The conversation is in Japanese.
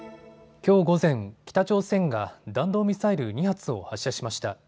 きょう午前、北朝鮮が弾道ミサイル２発を発射しました。